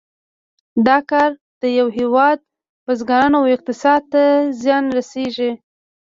دا کار د یو هېواد بزګرانو او اقتصاد ته زیان رسیږي.